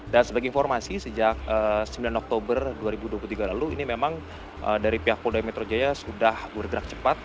dan sebagai informasi sejak sembilan oktober dua ribu dua puluh tiga lalu ini memang dari pihak poldai metro jaya sudah bergerak cepat